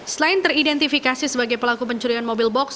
selain teridentifikasi sebagai pelaku pencurian mobil box